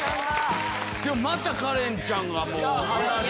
またカレンちゃんが鼻で。